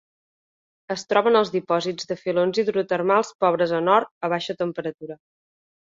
Es troba en els dipòsits de filons hidrotermals pobres en or a baixa temperatura.